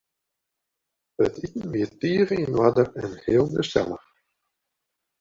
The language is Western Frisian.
It iten wie tige yn oarder en heel gesellich.